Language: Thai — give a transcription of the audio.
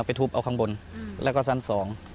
ทุบเอาข้างบนแล้วก็ชั้นสอง